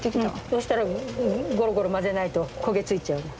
そしたらゴロゴロ混ぜないと焦げ付いちゃうの。